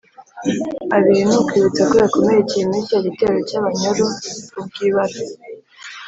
abiri ni ukwibutsa ko yakomerekeye muri cya gitero cy’abanyoro ubwo ibara